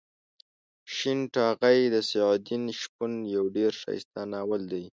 شین ټاغۍ د سعد الدین شپون یو ډېر ښایسته ناول دی.